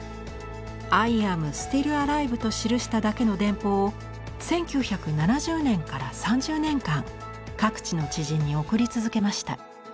「ＩＡＭＳＴＩＬＬＡＬＩＶＥ」と記しただけの電報を１９７０年から３０年間各地の知人に送り続けました。